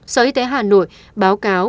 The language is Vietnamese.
sở y tế hà nội báo cáo